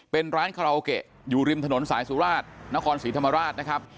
เป็นร้านคาราโอเกะอยู่ริมถนนสายสุราชนครศรีธรรมราชนะครับ